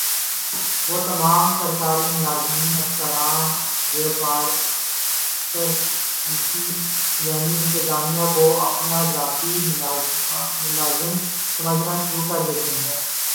وہ تمام سرکاری ملازمین افسران بیورو کریسی یعنی انتظامیہ کو اپنا ذاتی ملازم سمجھنا شروع کر دیتے ہیں ۔